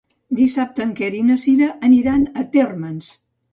Dissabte en Quer i na Sira aniran a Térmens.